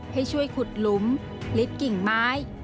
ให้ช่วยขุดหลุมลิฟต์กิ่งไม้